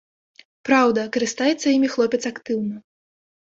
Праўда, карыстаецца імі хлопец актыўна.